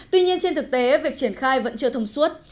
tuy nhiên trên thực tế việc triển khai vẫn chưa thông suốt